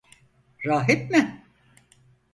Rahip mi?